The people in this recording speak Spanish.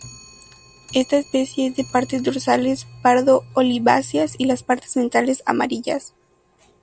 Esta especie es de partes dorsales pardo-oliváceas y las partes ventrales amarillas.